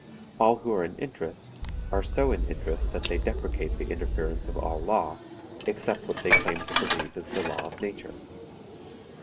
All who are in interest are so in interest that they deprecate the interference of all law, except what they claim to believe is the law of Nature.